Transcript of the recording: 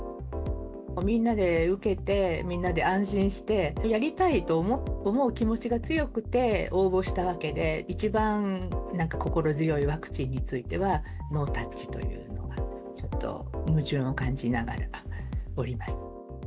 みんなで受けて、みんなで安心して、やりたいと思う気持ちが強くて応募したわけで、一番、心強いワクチンについてはノータッチというのが、ちょっと矛盾を感じながらおります。